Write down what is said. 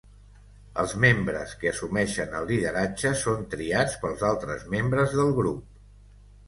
Els membres que assumeixen el lideratge són triats pels altres membres del grup.